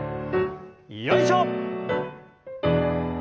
よいしょ！